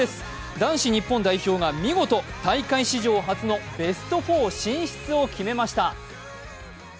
男子日本代表が見事、大会史上初のベスト４進出を決めました。